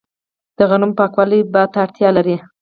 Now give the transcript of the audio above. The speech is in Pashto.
د غنمو پاکول باد ته اړتیا لري.